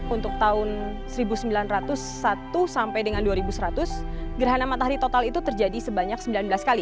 untuk tahun seribu sembilan ratus satu sampai dengan dua ribu seratus gerhana matahari total itu terjadi sebanyak sembilan belas kali